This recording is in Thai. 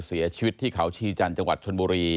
เสียชีวิตที่เขาชีจันทร์จังหวัดชนบุรี